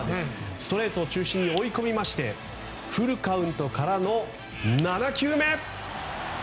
ストレートを中心に追い込みましてフルカウントからの７球目。